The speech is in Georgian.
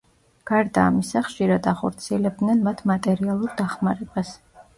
გარდა ამისა, ხშირად ახორციელებდნენ მათ მატერიალურ დახმარებას.